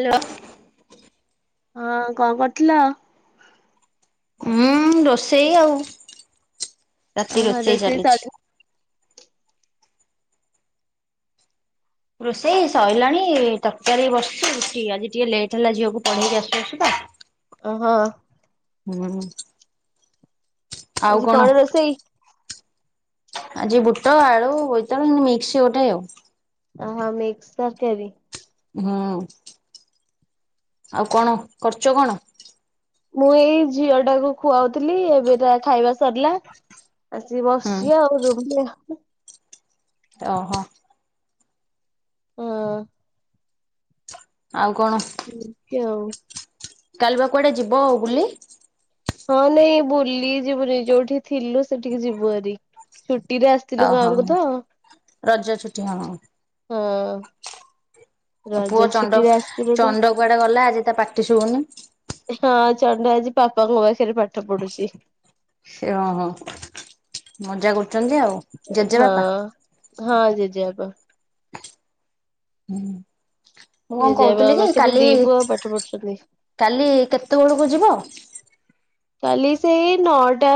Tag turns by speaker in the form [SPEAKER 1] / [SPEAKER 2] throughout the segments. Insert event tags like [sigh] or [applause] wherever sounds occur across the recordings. [SPEAKER 1] Hello. ହଁ କଣ କରୁଥୁଲ?
[SPEAKER 2] ହୁଁ ରୋଷେଇ ଆଉ ରାତି
[SPEAKER 1] ଓହୋ
[SPEAKER 2] ରୋଷେଇ ଚାଲିଚି।
[SPEAKER 1] ସରି
[SPEAKER 2] ରୋଷେଇ ସଇଲାଣି ତରକାରୀ ବସିଚି ରୁଟି ଆଜି ଟିକେ ଲେଟ୍ ହେଲା ଝିଅକୁ ପଢେଇକି ଆସୁ ଆସୁ ତ।
[SPEAKER 1] ଓହୋ।
[SPEAKER 2] ହୁଁ।
[SPEAKER 1] ଆଜି କଣ ରୋଷେଇ?
[SPEAKER 2] ଆଜି ବୁଟ ଆଳୁ ବୋଇତାଳୁ ମିକ୍ସ ଗୋଟେ ଆଉ।
[SPEAKER 1] ହଁ ମିକ୍ସ ତରକାରି।
[SPEAKER 2] ହଁ। ଆଉ କଣ କରୁଚ କଣ?
[SPEAKER 1] ମୁଁ ଏଇ ଝିଅ ଟାକୁ ଖୁଆଉଥିଲି ଏବେ ତା ଖାଇବା ସରିଲା ଆସିକି
[SPEAKER 2] ହୁଁ
[SPEAKER 1] ବସିଚି ଆଉ ରୁମରେ।
[SPEAKER 2] ଓହୋ।
[SPEAKER 1] ହଁ।
[SPEAKER 2] ଆଉ କଣ?
[SPEAKER 1] [unintelligible]
[SPEAKER 2] କାଲିବା କୁଆଡେ ଯିବ ବୁଲି?
[SPEAKER 1] ହଁ ନାଇଁ ବୁଲି ଯିବୁନି ଯୋଉଠି ଥିଲୁ ସେଠିକି ଯିବୁ ଆରି
[SPEAKER 2] ଓହୋ ରଜ ଛୁଟି ହଁ।
[SPEAKER 1] ରଜ
[SPEAKER 2] ପୁଅ ଚଣ୍ଡ
[SPEAKER 1] ଛୁଟିରେ ଆସିଥିଲୁ ତ
[SPEAKER 2] ଚଣ୍ଡ କୁଆଡେ ଗଲା ଆଜି ତା ପାଟି ଶୁବୁନି?
[SPEAKER 1] ହଁ ଚଣ୍ଡ ଆଜି ବାପାଙ୍କ ପାଖରେ ପାଠ ପଢୁଛି।
[SPEAKER 2] ସେ ହଁ ହଁ ମଜା କରୁଚନ୍ତି ଆଉ
[SPEAKER 1] ହଁ
[SPEAKER 2] ଜେଜେବାପା?
[SPEAKER 1] ହଁ ଜେଜେବାପା।
[SPEAKER 2] ହୁଁ।
[SPEAKER 1] ଜେଜେବାପା ଙ୍କ ପାଖରେ ଦିପୁଅ ପାଠ ପଢୁଚନ୍ତି।
[SPEAKER 2] କାଲି କେତ ବେଳକୁ ଯିବ?
[SPEAKER 1] କାଲି ସେଇ ନଅଟା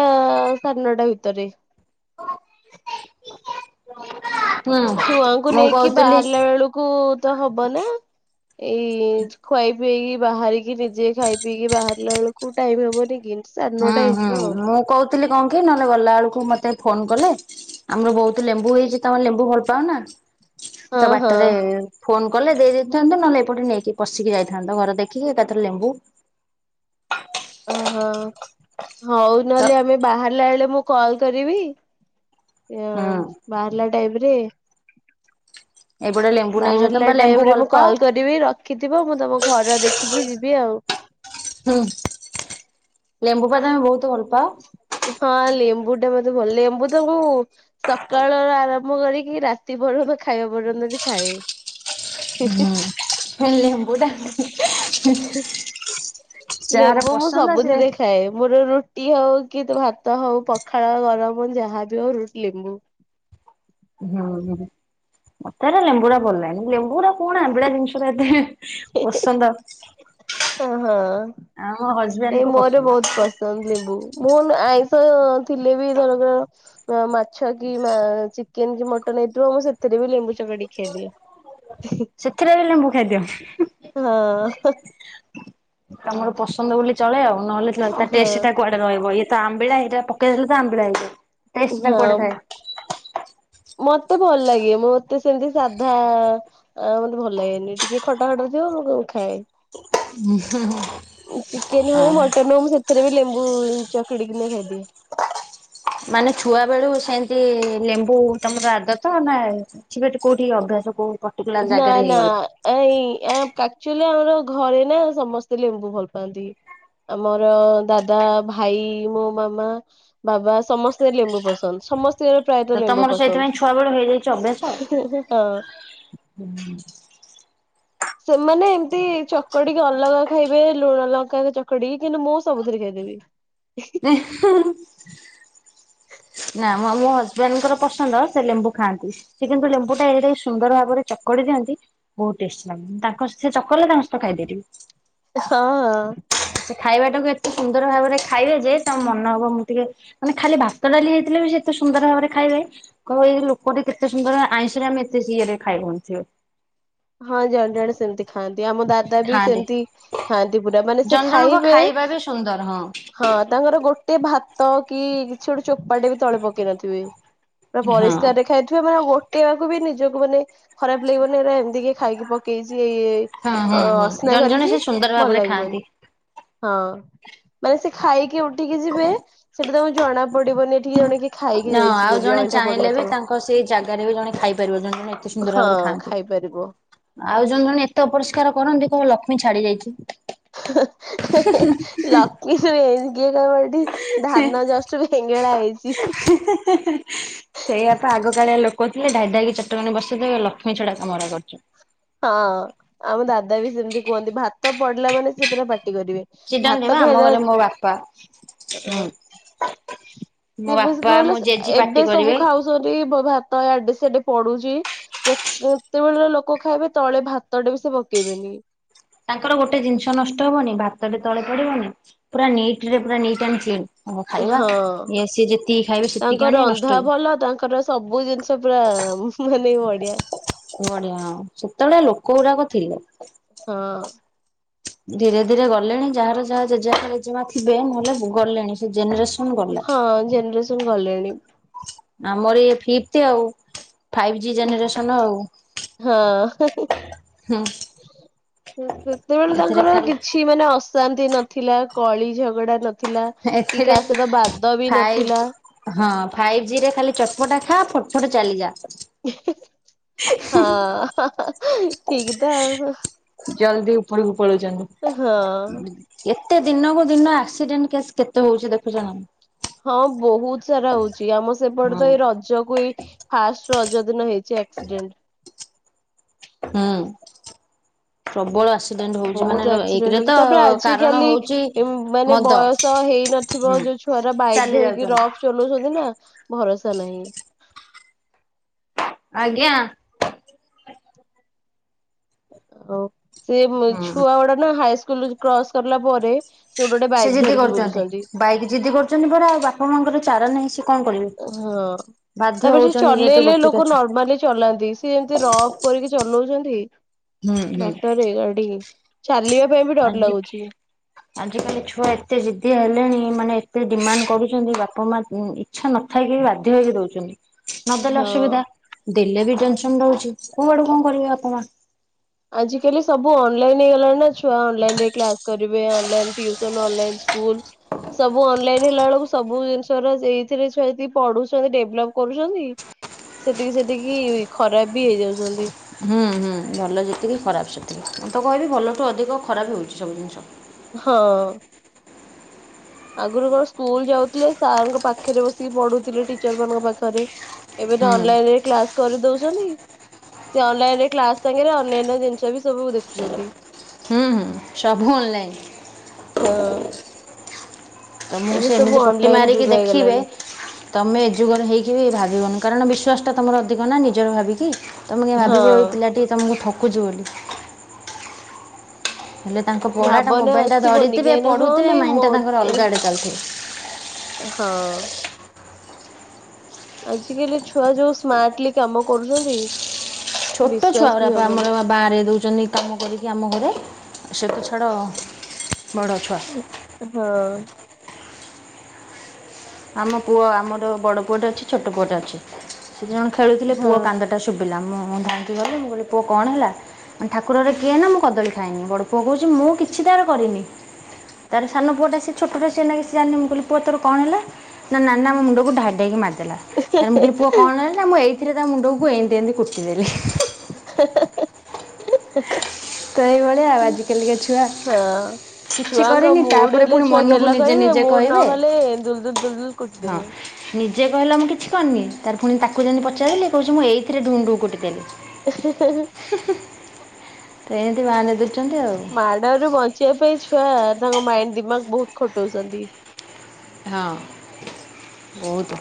[SPEAKER 1] ସାଢେ ନଅଟା ଭିତରେ।
[SPEAKER 2] ହୁଁ।
[SPEAKER 1] ଛୁଆଙ୍କୁ
[SPEAKER 2] ମୁଁ
[SPEAKER 1] ନେଇକି
[SPEAKER 2] କହୁଥିଲି
[SPEAKER 1] ବାହାରିଲା ବେଳକୁ ତ ହବ ନା। ଏଇ ଖୁଆଇ ପିଏଇକି ବାହାରିକି ନିଜେ ଖାଇ ପିଇକି ବାହାରିଲା ବେଳକୁ ଟାଇମ ହବନି କି? ସାଢେ
[SPEAKER 2] ହୁଁ
[SPEAKER 1] ନଅଟା ହେଇଯିବ
[SPEAKER 2] ହୁଁ
[SPEAKER 1] ଆଉ
[SPEAKER 2] ମୁଁ କଉଥିଲି କଣ କି? ନହେନେ ଗଲା ବେଳକୁ ମତେ ଫୋନ କଲେ ଆମର ବହୁତ ଲେମ୍ବୁ ହେଇଚି ତମେ ଲେମ୍ବୁ ଭଲ ପାଅନା? ତ
[SPEAKER 1] ହଁ ହଁ
[SPEAKER 2] ବାଟରେ ଫୋନ କଲେ ଦେଇଦେଇଥାନ୍ତୁ ନହେଲେ ଏପଟେ ନେଇକି ପଶିକି ଯାଇଥାନ୍ତ ଘର ଦେଖିକି ଏକାଥରେ ଲେମ୍ବୁ
[SPEAKER 1] ଓହୋ ହଉ
[SPEAKER 2] ତ
[SPEAKER 1] ନହେଲେ ଆମେ ବାହାରିଲା ବେଳେ ମୁଁ କଲ କରିବି ଅ
[SPEAKER 2] ହୁଁ
[SPEAKER 1] ବାହାରିଲା ଟାଇପ୍ ରେ
[SPEAKER 2] ଏପଟେ ଲେମ୍ବୁ ନେଇଯାଉ ତମେ
[SPEAKER 1] ବାହାରିଲା
[SPEAKER 2] ବା ଲେମ୍ବୁ
[SPEAKER 1] ଟାଇମ୍ ରେ
[SPEAKER 2] ଭଲ
[SPEAKER 1] ମୁଁ
[SPEAKER 2] ପାଅ।
[SPEAKER 1] କଲ କରିବି ରଖିଥିବ। ମୁଁ ତମ ଘର ଦେଖିକି ଯିବି ଆଉ।
[SPEAKER 2] ହୁଁ ଲେମ୍ବୁ ପା ତମେ ବହୁତ ଭଲ ପାଅ।
[SPEAKER 1] ହଁ ଲେମ୍ବୁ ଟା ମତେ ଭଲ ଲାଗେ ଲେମ୍ବୁ ତ ମୁଁ ସକାଳ ଆରମ୍ଭ କରିକି ରାତି [unintelligible] ଖାଇବା ପର୍ଯ୍ୟନ୍ତ ବି ଖାଏ।
[SPEAKER 2] ହୁଁ ଲେମ୍ବୁ ଟା।
[SPEAKER 1] [unintelligible]
[SPEAKER 2] ଯାହାର
[SPEAKER 1] ଲେମ୍ବୁ ମୁଁ
[SPEAKER 2] ପସନ୍ଦ ସେ
[SPEAKER 1] ସବୁଥିରେ ଖାଏ। ମୋର ରୁ ଟି ହଉ କି ଭାତ ହଉ ପଖାଳ ଗରମ ଯାହାବି ହଉ ରୁ ଲେମ୍ବୁ
[SPEAKER 2] ମତେରା ଲେମ୍ବୁଡା ଭଲ ଲାନି ଲେମ୍ବୁଡା କଣ ଆମ୍ବିଡା ଜିନିଷରା ଏତେ ହେଁ ପସନ୍ଦ
[SPEAKER 1] ହ ହଁ
[SPEAKER 2] ଆମ
[SPEAKER 1] ଏଇ
[SPEAKER 2] ହଜବେଣ୍ଡ କୁ
[SPEAKER 1] ମୋର
[SPEAKER 2] ପସନ୍ଦ
[SPEAKER 1] ବହୁତ ପସନ୍ଦ ଲିମ୍ବୁ ମୁଁ ନା ଆଇଁଷ ଥିଲେ ବି ଧରର ମାଛ କି ମା ଚିକେନ କି ମଟନ ହେଇଥିବ। ମୁଁ ସେଥିରେ ବି ଲେମ୍ବୁ ଚକଡି ଖେଦିଏ।
[SPEAKER 2] ସେଥିରେ ବି ଲେମ୍ବୁ ଖାଇଦିଅ।
[SPEAKER 1] ହଁ
[SPEAKER 2] ତମର ପସନ୍ଦ ବୋଲି ଚଳେ ଆଉ। ନହଲେ ତା ଟେଷ୍ଟ ଟା
[SPEAKER 1] ହଁ
[SPEAKER 2] କୁଆଡେ ରହିବ। ଇଏତ ଆମ୍ବିଳା ଏଟା ପକେଇ ଦେଲ ତ ଆମ୍ବିଳା ହେଇ ଟେଷ୍ଟଟା କୁଆଡ଼େ
[SPEAKER 1] ହଁ
[SPEAKER 2] ଥାଏ?
[SPEAKER 1] ମତେ ଭଲ ଲାଗେ ମତେ ସେମିତି ସାଧା ଆ ମତେ ଭଲ ଲାଗେନି ଟିକେ ଖଟା ଖଟ [unintelligible] ଖାଏ ଚିକେନ ହଉ। ମଟନ ହଉ। ମୁଁ ସେ ଥିରେ ବି ଲେମ୍ବୁ ଚକଡ଼ି କିି ନା ଖାଇଦିଏ।
[SPEAKER 2] ତେ ଲେମ୍ବୁ ତମର ଆଦତ ନା ଛି ବି ହେଟି କୋଉଠି ଅଭ୍ୟାସ କୋଉ ପର୍ଟିକୁଲାର
[SPEAKER 1] [unintelligible] ନାଁ
[SPEAKER 2] ଜାଗାରେ ହେଇଗଲା।
[SPEAKER 1] ନାଁ ଏଇ ୟା କା ଚୁଲି ଆମର ଘରେ ନା ସମସ୍ତେ ଲେମ୍ବୁ ଭଲ ପାଆନ୍ତି। ଆମର ଦାଦା ଭାଇ ମୋ ମାମା ବାବା ସମସ୍ତେ ଲେମ୍ବୁ ପସନ୍ଦ ସମସ୍ତ ସିଏ ପ୍ରାୟତଃ
[SPEAKER 2] ତ
[SPEAKER 1] ଲେମ୍ବୁ
[SPEAKER 2] ତମର
[SPEAKER 1] ପସନ୍ଦ
[SPEAKER 2] ସେଇଥିପାଇଁ ଛୁଆ ବେଳୁ ହେଇଯାଇଛି
[SPEAKER 1] [unintelligible] ହଁ।
[SPEAKER 2] ହୁଁ।
[SPEAKER 1] ସେମାନେ ଏମିତି ଚକଡିକି ଅଲଗା ଖାଇବେ। ଲୁଣ ଲଙ୍କାରେ ଚକଡିିକି କିନ୍ତୁ ମୁଁ ସବୁଥିରେ ଖାଇ ଦେବି।
[SPEAKER 2] [unintelligible] ଆମ ମୋ ହଜବେଣ୍ଡଙ୍କର ପସନ୍ଦ ସେ ଲେମ୍ବୁ ଖାନ୍ତି। ସେ କିନ୍ତୁ ଲେମ୍ବୁଟା ଏଡେ ସୁନ୍ଦର ଭାବରେ ଚକଡି ଦିଅଁ ନ୍ତି ବୋହୁତ ଟେଷ୍ଟ ଲାଗେ ତାଙ୍କ ସେ ଚକଡିଲେ ତାଙ୍କ ସହିତ ଖାଇଦିଏ ଟିକେ।
[SPEAKER 1] ହଁ ହଁ।
[SPEAKER 2] ଖାଇବାଟାକୁ ଏତେ ସୁନ୍ଦର ଭାବରେ ଖାଇବେ ଯେ ତମ ମନ ହବ ମୁଁ ଟିକେ ମାନେ ଖାଲି ଭାତ ଡାଲି ହେଇଥିଲେ ବି ସେ ଏତେ ସୁ ନ୍ଦର ଭାବରେ ଖାଇବେ କହିବ ଏଇ ଲୋକଟେ କେତେ ସୁନ୍ଦର ଆଇଁଷରେ ଆମେ ଏତେ ସି ଏରେ ଖାଇବ ନଥିବେ।
[SPEAKER 1] ହଁ ଜଣେ ଜଣେ ସେମିତି ଖାଆନ୍ତି ଆମ ଦାଦା ବି
[SPEAKER 2] ଖାଆନ୍ତି
[SPEAKER 1] ସେମିତି ଖାଆନ୍ତି ପୁରା ମାନେ ସେ
[SPEAKER 2] ଜଣ ଜଣଙ୍କ
[SPEAKER 1] ଖାଇବେ
[SPEAKER 2] ଖାଇବା ବି ସୁନ୍ଦର ହଁ
[SPEAKER 1] ହଁ ତାଙ୍କର ଗୋଟେ ଭାତ କି କିଛି ଗୋଟେ ଚୋପାଟେ ବି ତଳେ ପକେଇ ନଥିବେ। ପୁରା
[SPEAKER 2] ହଁ।
[SPEAKER 1] ପରିଷ୍କାରରେ ଖାଇଥିବେ ମାନେ ଗୋ ଟେଇବାକୁ ବି ନିଜକୁ ମାନେ ଖରାପ ଲାଗିବନି। ଏରା ଏମିତି କିଏ ଖାଇକି ପକେଇ ଚି
[SPEAKER 2] ହଁ ହୁଁ ହୁଁ
[SPEAKER 1] ଅ-ଅସନା
[SPEAKER 2] ଜଣେ ଜଣେ
[SPEAKER 1] କରିକି
[SPEAKER 2] ସେ ସୁନ୍ଦର
[SPEAKER 1] ଭଲ
[SPEAKER 2] ଭାବରେ
[SPEAKER 1] ଲାଗିବନି।
[SPEAKER 2] ଖାଆନ୍ତି।
[SPEAKER 1] ହଁ ମାନେ ସେ ଖାଇକି ଉଠିକି ଯିବେ। ସେଠି ତମକୁ ଜଣା ପଡିବନି ଏଠି କିଏ ଜଣେ କିଏ ଖାଇକି
[SPEAKER 2] ହଁ
[SPEAKER 1] ଯାଇଛି
[SPEAKER 2] ଆଉ
[SPEAKER 1] ବୋଲି
[SPEAKER 2] ଜଣେ
[SPEAKER 1] ଅଇଁଠା
[SPEAKER 2] ଚାହିଁଲେ ବି
[SPEAKER 1] ପଡିନଥିବ
[SPEAKER 2] ତାଙ୍କ ସେଇ ଜାଗାରେ ବି ଜଣେ ଖାଇପାରିବ ଜଣେ ଜଣେ ଏତେ ସୁନ୍ଦର ଭାବରେ ଖାଆନ୍ତି।
[SPEAKER 1] ପାରିବ।
[SPEAKER 2] ଆଉ ଜଣେ ଜଣେ ଏତେ ଅପରିଷ୍କାର କରନ୍ତି କହିବ ଲକ୍ଷ୍ମୀ ଛାଡିଯାଇଚି।
[SPEAKER 1] [unintelligible] ଲକ୍ଷ୍ମୀ ନୁହେଁ କିଏ କହିବ ଏଠି ଧାନ ଜଷ୍ଟ ବେଙ୍ଗେଳା ହେଇଛି।
[SPEAKER 2] ସେଇଆପା ଆଗକାଳିଆ ଲୋକ ଥିଲେ ଢାଇ ଢାଇକି ଚଟକଣି ବସେଇଦେବେ ଲକ୍ଷ୍ମୀ ଛଡା କାମରା କରୁଚୁ।
[SPEAKER 1] ହଁ ଆମ ଦାଦା ବି ସେମିତି କୁହନ୍ତି ଭାତ ପଡିଲା ମାନେ ସେ ପୁରା ପାଟି କରିବେ
[SPEAKER 2] ଚିଡନ୍ତି ବା
[SPEAKER 1] ଭାତ
[SPEAKER 2] ଆମ
[SPEAKER 1] ଖାଇ
[SPEAKER 2] ଘରେ ମୋ ବାପା ହୁଁ
[SPEAKER 1] [unintelligible]
[SPEAKER 2] ମୋ
[SPEAKER 1] ସେ ବସ
[SPEAKER 2] ବାପା
[SPEAKER 1] କଣ
[SPEAKER 2] ମୋ ଜେଜେ
[SPEAKER 1] କହିଲ
[SPEAKER 2] ପାଟି
[SPEAKER 1] ଏବେ ସବୁ
[SPEAKER 2] କରିବେ।
[SPEAKER 1] ଖାଉଛନ୍ତି ଭାତ ଆଡେ ସେଆଡେ ପଡୁ ସେ କେତେବେଳେ ଲୋକ ଖାଇବେ ତଳେ ଭାତ ଟେ ବି ସେ ପକେଇବେନି।
[SPEAKER 2] ତାଙ୍କର ଗୋଟେ ଜିନିଷ ନଷ୍ଟ ହବନି ଭାତଟେ ତଳେ ପଡିବନି। ପୁରା ନିଟ୍ ରେ ପୁରା ନିଟ ଆଣ୍ଡ କ୍ଲିନ୍ ତାଙ୍କ ଖାଇବା
[SPEAKER 1] ହଁ।
[SPEAKER 2] ସେ ଯେତିକି ଖାଇବେ ସେତିକି ଆଣିବେ ନଷ୍ଟ
[SPEAKER 1] ହଁ ତାଙ୍କର ସବୁ ଜିନିଷ ପୁରା ମାନେ ବଢିଆ।
[SPEAKER 2] ବଢିଆ ସେତେବେଳେ ଲୋକ ଗୁଡାକ ଥିଲେ।
[SPEAKER 1] ହଁ।
[SPEAKER 2] ଧୀରେ ଧୀରେ ଗଲେଣି ଯାହାର ଯାହା ଜେଜେବାପା କେଜେମା ଥିବେ ନହେଲେ ଗଲେଣି ସେ ଜେନେରେସନ। ଗଲେ
[SPEAKER 1] ହଁ ଜେନେରେସନ ଗଲେଣି
[SPEAKER 2] ଆମର ଇଏ ଫିଫ୍ଟ ଆଉ। ଫାଇଭ୍ ଜି ଜେନେରେସନ୍ ଆଉ।
[SPEAKER 1] ହଁ।
[SPEAKER 2] ହୁଁ
[SPEAKER 1] ସେତେବେଳେ
[SPEAKER 2] ଏଥିରେ
[SPEAKER 1] ତାଙ୍କର
[SPEAKER 2] ଖାଲି
[SPEAKER 1] କିଛି ମାନେ ଅ ସ। ଅଶାନ୍ତି ନଥିଲା କଳି ଝଗଡା ନଥିଲା କି
[SPEAKER 2] ଏଥିରେ
[SPEAKER 1] କାହା ସହିତ ବାଦ ବି
[SPEAKER 2] ଫାଇଭ୍
[SPEAKER 1] ନଥିଲା।
[SPEAKER 2] ହଁ ଫାଇଭ ଜି ରେ ଖାଲି ଚଟପଟା ଖା ଫଟ ଫଟ ଚାଲିଜା।
[SPEAKER 1] ହଁ ହଁ ହଁ ଠିକ ତ ଆଉ।
[SPEAKER 2] ଜଲଦି ଉପରକୁ ପଳଉଛନ୍ତି ଏତେ ଦିନକୁ ଦିନ ଆକ୍ସିଡେଣ୍ଟ କେସ୍। କେତେ ହଉଛି ଦେଖୁଛନା ନାଇ।
[SPEAKER 1] ହଁ ବହୁତ ସାରା ହଉଛି ଆମ ସେପଟେ ତ ଏଇ ରଜକୁ ଏଇ ଫାଷ୍ଟ ରଜ ଦିନ ହେଇଛି। ଆକ୍ସିଡେଣ୍ଟ।
[SPEAKER 2] ହୁଁ ପ୍ରବଳ ଆସି
[SPEAKER 1] ବହୁତ ଆକ୍ସିଡେଣ୍ଟ ହଉଚି ତାପରେ
[SPEAKER 2] କାରଣ
[SPEAKER 1] ଆଜିକାଲି
[SPEAKER 2] ହଉଛି
[SPEAKER 1] ମାନେ
[SPEAKER 2] ମଦ
[SPEAKER 1] ବୟସ ହେଇନଥିବ
[SPEAKER 2] ହୁଁ
[SPEAKER 1] ଯୋଉ। ଛୁଆ ରା ବାଇକ୍
[SPEAKER 2] ଚାଲି
[SPEAKER 1] ଧରିକି
[SPEAKER 2] ଯାଉଛନ୍ତି
[SPEAKER 1] ରଫ୍ ଚଲାଉଛନ୍ତି ନା ଭରସା। ନାହି।
[SPEAKER 2] ଆଜ୍ଞା।
[SPEAKER 1] ଓ ସେ
[SPEAKER 2] ହୁଁ
[SPEAKER 1] ଛୁଆ ଗୁଡା ନା ହାଇସ୍କୁଲ କ୍ରସ୍ କରଲା ପରେ। ଗୋଟେ ଗୋଟେ
[SPEAKER 2] ସେ
[SPEAKER 1] ବାଇକ୍
[SPEAKER 2] ଜିଦି
[SPEAKER 1] ଧରିକି
[SPEAKER 2] କରୁଛନ୍ତି
[SPEAKER 1] ବୁଲୁଛନ୍ତି
[SPEAKER 2] ବାଇକ୍ ଜିଦି କରୁଛନ୍ତି ପରା ଆଉ ବାପା ମାଙ୍କର ଚାରା ନାହିଁ ସିଏ କଣ କରିବେ।
[SPEAKER 1] ହଁ
[SPEAKER 2] ବାଧ୍ୟ
[SPEAKER 1] ତାପରେ ସେ
[SPEAKER 2] ହଉଛନ୍ତି ଯେହେତୁ
[SPEAKER 1] ଚଲେଇଲେ
[SPEAKER 2] ଗୋଟିକା
[SPEAKER 1] ଲୋକ
[SPEAKER 2] ଛୁ
[SPEAKER 1] ନର୍ମାଲି ଚଲାନ୍ତି ସେ ଯେମିତି ରଫ୍ କରିକି। ଚଲଉଛନ୍ତି
[SPEAKER 2] ହୁଁ ହୁଁ।
[SPEAKER 1] ବାଟରେ ଗାଡି। ଚାଲିବା ପାଇଁ ବି ଡର
[SPEAKER 2] ଆଜି
[SPEAKER 1] ଲାଗୁଛି
[SPEAKER 2] କ ଆଜିକାଲି ଛୁଆ ଏତେ ଜିଦ୍ଦି ହେଲେଣି ମାନେ। ଏତେ ଡିମାଣ୍ଡ କରୁଛନ୍ତି ବାପା ମା ଉଁ ଏ। ଇଛା ନଥାଇକି ବାଧ୍ୟ ହେଇକି ଦଉଛନ୍ତି ନଦେଲେ
[SPEAKER 1] ହଁ।
[SPEAKER 2] ଅସୁବିଧା। ଦେଲେ ବି ଟେନ୍ସନ ରହୁଛି କୁଆଡୁ କଣ କରିବେ ବାପ ମାଆ।
[SPEAKER 1] ଆଜି କାଲି ସବୁ ଅନଲାଇନ ହେଇଗଲାଣି ନା ଛୁଆ ଅନଲାଇନ ରେ କ୍ଲାସ କରିବେ ଅନଲାଇନ ଟୁସନ ଅନଲାଇନ। ସ୍କୁୁଲ। ସବୁ ଅନଲାଇନ ହେଲା ବେଳକୁ ସବୁ ଜିନିଷ ର ଏଇଥିରେ ଛୁଆ ଯେତିକି ପଢୁଛନ୍ତି ଡେଭଲପ କରୁଛନ୍ତି। ସେତିକି ସେତିକି ଖରାପ ବି ହେଇଯାଉଛନ୍ତି।
[SPEAKER 2] ହୁଁ ହୁଁ ଭଲ ଯେତିକି ଖରାପ ସେତିକି ମୁଁ ତ କହିବି ଭଲଠୁ ଅଧିକ ଖରାପ ହଉଛି ସବୁ ଜିନିଷ।
[SPEAKER 1] ହଁ। ଆଗରୁ କଣ ସ୍କୁଲ ଯାଉଥିଲେ ସାରଙ୍କ ପାଖରେ ବସିକି ପଢୁଥିଲେ ଟିଚର ମାନଙ୍କ ପାଖରେ। ଏବେ
[SPEAKER 2] ହୁଁ
[SPEAKER 1] ତ
[SPEAKER 2] ହୁଁ
[SPEAKER 1] ଅନଲାଇନ ରେ କ୍ଲାସ କରି ଦଉଛନ୍ତି। ସେ ଅନଲାଇନ ରେ କ୍ଲାସ ସାଙ୍ଗରେ ଅନ୍ୟାନ୍ୟ ଜିନିଷ ବି ସବୁ ଦେଖୁଛନ୍ତି।
[SPEAKER 2] ହୁଁ ସବୁ ଅନ ଲାଇନ।
[SPEAKER 1] ହଁ।
[SPEAKER 2] ତମ କୁ
[SPEAKER 1] ଏବେ
[SPEAKER 2] ସେ
[SPEAKER 1] ସବୁ
[SPEAKER 2] ଏମିତି ପଟି
[SPEAKER 1] ଅନଲାଇନ
[SPEAKER 2] ମାରିକି
[SPEAKER 1] ଯୁଗ
[SPEAKER 2] ଦେଖିବେ।
[SPEAKER 1] ହେଇଗଲାଣି।
[SPEAKER 2] ତମେ ଏଜୁଗର ହେଇକି ବି ଭାବିବନି କାରଣ। ବିଶ୍ୱାସ ଟା ତୁମର ଅଧିକ ନା ନିଜର ଭାବିକି। ତମେ କାହିଁ
[SPEAKER 1] ହଁ
[SPEAKER 2] ଭାବିବ ଏ ପିଲା ଟି ତମକୁ ଠ କୁଚି ବୋଲି। ହେଲେ ତାଙ୍କ ପଢ଼ାଟା
[SPEAKER 1] ଭାବନା
[SPEAKER 2] ମୋବାଇଲ ଟା
[SPEAKER 1] ଆସିବନି
[SPEAKER 2] ଧରିଥିବେ
[SPEAKER 1] କାହିଁକି ନା ହଁ
[SPEAKER 2] ପଢ଼ୁଥିବେ
[SPEAKER 1] ନାଇଁ
[SPEAKER 2] ମାଇଣ୍ଡ
[SPEAKER 1] ମୋ
[SPEAKER 2] ଟା ତାଙ୍କର
[SPEAKER 1] ଏ
[SPEAKER 2] ଅଲଗା ଆଡ଼େ ଚାଲିଥିବ।
[SPEAKER 1] ହଁ। ଆଜି କାଲି ଛୁଆ ଯୋଉ ସ୍ମାର୍ଟଲି କାମ କରୁଛନ୍ତି।
[SPEAKER 2] ଛୋଟ ଛୁଆ
[SPEAKER 1] ବିଶ୍ଵାସ
[SPEAKER 2] ଗୁରା
[SPEAKER 1] ବି
[SPEAKER 2] ପା
[SPEAKER 1] ହବନି।
[SPEAKER 2] ଆମର ବାଆଁରେଇ ଦଉଛନ୍ତି କାମ କରିକି ଆମ ଘରେ। ସେତ ଛାଡ଼ ବଡ଼ ଛୁଆ।
[SPEAKER 1] ହଁ।
[SPEAKER 2] ଆମ ପୁଅ ଆମର ବଡ ପୁଅଟେ ଅଛି, ଛୋଟ ପୁଅଟେ ଅଛି। ସେ ଦି ଜଣ ଖେଳୁ ଥିଲେ, ପୁଅ କାନ୍ଦ ଟା ଶୁଭିଲା, ମୁଁଁ ଧାଇଁ କି ଗଲି, ମୁଁ କହିଲି ପୁଅ କଣ ହେଲା। ମାନେ ଠାକୁର ଘରେ କିଏ? ନା ମୁଁ କଦଳୀ ଖାଇନି। ବଡ ପୁଅ କହୁଛି ମୁଁ କିଛି ତାର କରିନି। ତାରେ ସାନ ପୁଅ ଟା ସେ ଛୋଟ ଟା ସେ ନାଗୀ ସେ ଜାଣିନି। ମୁଁ କହିଲି ପୁଅ ତୋର କଣ ହେଲା? ନା ନାନା ମୋ ମୁଣ୍ଡକୁ ଢାଏ ଢାଏ କି ମାରିଦେଲା। ତାରେ ମୁଁ କହିଲି ପୁଅ କଣ ହେଲା? ନା ମୁଁ ଏଇ ସେଥିରେ ତା ମୁଣ୍ଡକୁ, ଏମିତି ଏମିତି କୁଟି ଦେଲି।
[SPEAKER 1] ହେଁ-ହେଁ ହେଁ-ହେଁ।
[SPEAKER 2] ତ ଇଏ ଭଳିଆ ଆଉ ଆଜିକାଲିକା ଛୁଆ।
[SPEAKER 1] ହଁ।
[SPEAKER 2] କିଛି
[SPEAKER 1] ଛୁଆଙ୍କ
[SPEAKER 2] କରିନି
[SPEAKER 1] ମୁଡ୍
[SPEAKER 2] ତାପରେ
[SPEAKER 1] ହେଲେ
[SPEAKER 2] ପୁଣି
[SPEAKER 1] ଛୁଆ
[SPEAKER 2] ମନକୁ
[SPEAKER 1] ଗେଲ
[SPEAKER 2] ନିଜେ
[SPEAKER 1] କରିବେ
[SPEAKER 2] ନିଜେ
[SPEAKER 1] ମୁଡ୍
[SPEAKER 2] କହିବେ
[SPEAKER 1] ନହେଲେ ଦୁଲ୍ ଦୁଲ୍ ଦୁଲ୍ ଦୁଲ୍
[SPEAKER 2] ହଁ
[SPEAKER 1] କୁଟିଦେବେ।
[SPEAKER 2] ନି ଜେଏ କହିଲା ମୁଁ କିଛି କରିନି। ତାର ପୁଣି ତାକୁ ଯେମିତି ପଚାରିଲିି, କହୁଛି ମୁଁ ଏଇଥିରେ ଡୁ ଡୁ କୁଟି ଦେଥିଲି।
[SPEAKER 1] ଏ ହେଁ ହେଁ।
[SPEAKER 2] ସେ ଏମିତି ବାନେ ଦୁ
[SPEAKER 1] ମାଡରୁ ବଞ୍ଚିବା ପାଇଁ ଛୁଆ ତାଙ୍କ ମାଇଣ୍ଡ ଦିମାଗ ବହୁତ ଖଟଉଛନ୍ତି।
[SPEAKER 2] ହଁ ବହୁତ।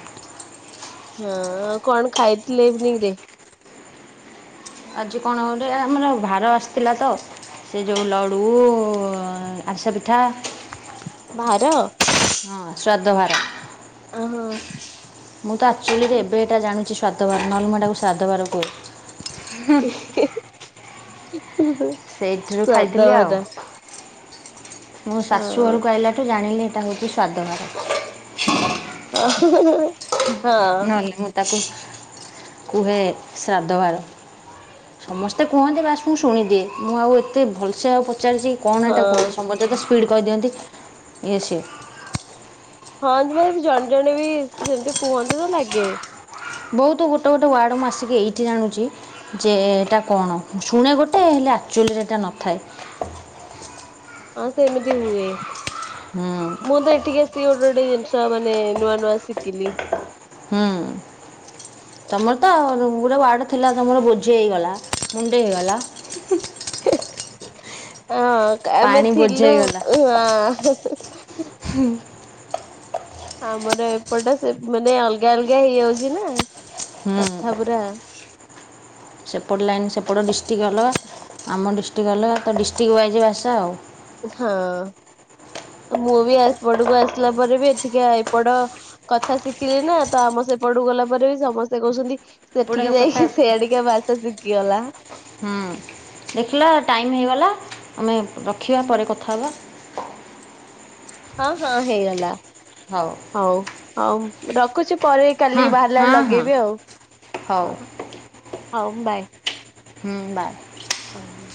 [SPEAKER 1] ହଁ କଣ ଖାଇଥିଲେ ଇଭିନିଂ ରେ?
[SPEAKER 2] ଆଜି କଣ ଗୋଟେ ଆମର ଭାର ଆସିଥିଲା ତ। ସେ ଯଉ ଲଡ଼ୁ ଆରସା ପିଠା।
[SPEAKER 1] ଭାର।
[SPEAKER 2] ବୁଧବାର।
[SPEAKER 1] ଓ ହୋ।
[SPEAKER 2] ମୁଁ ତ ଆକ୍ଚୁଆଲିରେ ଏବେ ଟା ଜାଣୁଛି, ସ୍ଵାଦବାର ନ ହେଲେ ମୋ ଟାକୁ ଶ୍ରାଦବାର କହୁଚି।
[SPEAKER 1] ଏ ହେ ହୁଂ ହୁଁ
[SPEAKER 2] ସେଇଥିରୁ
[SPEAKER 1] ସ୍ଵାଦ
[SPEAKER 2] ଖାଇଥିଲି ଆଉ
[SPEAKER 1] ଭଜା।
[SPEAKER 2] ମୁଁ ଶାଶୁ ଘରକୁ ଆଇଲାଠୁ ଜାଣିଲି ଏଇଟା ହେଉଛି ସ୍ଵାଦ ଭାର।
[SPEAKER 1] ଅ ହଁ ହଁ ହଁ।
[SPEAKER 2] ନ ହେଲେ ମୁଁ ତାକୁ କୁହେ ଶ୍ରାଦ୍ଧ ବାର। ସମସ୍ତେ କୁହନ୍ତି ବାସ୍ ମୁଁ ଶୁଣିଦିଏ। ମୁଁ ଆଉ ଏତେ ଭଲସେ ଆଉ ପଚାରୁିଛି କଣ ଏଇଟା
[SPEAKER 1] ହଁ।
[SPEAKER 2] କୁହନ୍ତି। ସମସ୍ତେ ତ ସ୍ପିଡ଼୍ କହି ଦିଅନ୍ତି ଇଏ ସିଏ।
[SPEAKER 1] ହଁ [unintelligible] ଜଣେ ଜଣେ ବି ସେମିତି କୁହନ୍ତି ତ ଲାଗେ।
[SPEAKER 2] ବହୁତ ଗୋଟେ ଗୋଟେ ୱାର୍ଡ଼ ମୁଁ ଆସିକି ଏଇଠି ଜାଣୁଛି, ଯେ ଏଇଟା କଣ? ଶୁଣେ ଗୋଟେ ଆକ୍ଚୁଆଲିରେ ଏଇଟା ନଥାଏ।
[SPEAKER 1] ହଁ ସେମିତି ହୁଏ।
[SPEAKER 2] ହୁଁ
[SPEAKER 1] ମୁଁ ତ ଏଠିକି ଆସି ଗୋ ଗୋଟେ ଗୋଟେ ଜିନିଷ ମାନେ ନୂଆ ନୂଆ ଶିଖିଲି।
[SPEAKER 2] ହୁଁ। ତମର ତ ଗୋଟେ ୱାଡ ଥିଲା। ତମର ବୁଝି ହେଇଗଲା। ମୁଣ୍ଡେ ହେଇଗଲା।
[SPEAKER 1] [unintelligible] ହଁ ଆମେ
[SPEAKER 2] ପାଣି ବୋଝେଇ
[SPEAKER 1] ଥିଲୁ
[SPEAKER 2] ହେଇଗଲା
[SPEAKER 1] ହଁ। ଆମର ଏପଟେ ସେ ମାନେ ଅଲଗା ଅଲଗା ହେଇଯାଉଛି ନା।
[SPEAKER 2] ହୁଁ
[SPEAKER 1] କଥା ପୁରା।
[SPEAKER 2] ସେପଟ ଲାଇନ୍ ସେପଟ ଡିଷ୍ଟ୍ରିକ୍ଟ ଅଲଗା ଆମ ଡିଷ୍ଟ୍ରିକ୍ ଅଲଗା ତ ଡିଷ୍ଟ୍ରିକ୍ ୱାଇଜ୍ ଭାଷା ଆଉ।
[SPEAKER 1] ହଁ। ମୁଁ ବି ଏପଟକୁ ଆସିଲା ପରେ ବି ଏଠିକା ଏପଟ କଥା ଶିଖିଲି ନା ତ ଆମ ସେପଟ କୁ ଗଲା ପରେ ବି ସମସ୍ତେ କୋହୁଚନ୍ତି ସେଠିକି
[SPEAKER 2] ଏପଟେ
[SPEAKER 1] ଯାଇକି
[SPEAKER 2] କଥା
[SPEAKER 1] ସିଆଡିକା ଭାଷା ଶିଖିଗଲା।
[SPEAKER 2] ହୁଁ ଦେଖିଲ ଟାଇମ୍ ହେଇଗଲା। ଆମେ ରଖିବା ପରେ କଥା ହବା।
[SPEAKER 1] ହଁ ହଁ ହେଇଗଲା
[SPEAKER 2] ହଉ
[SPEAKER 1] ହୋଉ ହୋଉ ରଖୁଚି ପରେ କାଲି
[SPEAKER 2] ହଁ
[SPEAKER 1] ବାହାରିଲା ବେଳେ
[SPEAKER 2] ହଁ ହଁ
[SPEAKER 1] ଲଗେଇବି ଆଉ
[SPEAKER 2] ହଉ
[SPEAKER 1] ହୋଉ ବାଏ।
[SPEAKER 2] ହୁଁ ବାଏ।
[SPEAKER 1] ଆ ହୋଉ।